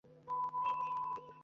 আমাকে বিঘ্নেশের নাম্বার দাও।